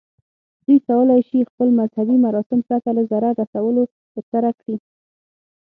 دوی کولی شي خپل مذهبي مراسم پرته له ضرر رسولو ترسره کړي.